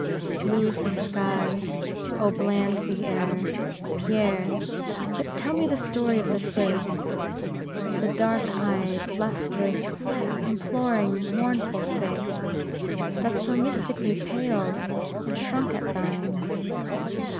Blue is the sky, oh, bland the air, Pierre; but tell me the story of the face, the dark eyed, lustrous, imploring, mournful face, that so mystically paled, and shrunk at thine.